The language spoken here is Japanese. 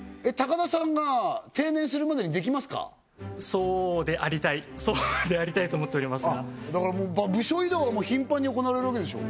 そうでありたいそうでありたいと思っておりますがだから部署異動が頻繁に行われるわけでしょう？